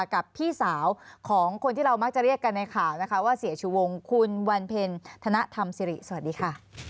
กับพี่สาวของคนที่เรามักจะเรียกกันในข่าวนะคะว่าเสียชูวงคุณวันเพ็ญธนธรรมสิริสวัสดีค่ะ